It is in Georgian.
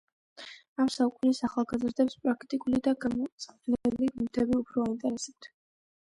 ამ საუკუნის ახალგაზრდებს პრაქტიკული და გამოსაყენებელი ნივთები უფრო აინტერესებთ.